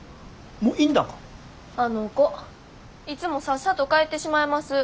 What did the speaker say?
あの子いつもさっさと帰ってしまいます。